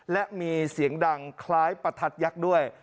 และมีเสียงดังคล้ายประทัดยักษ์ด้วย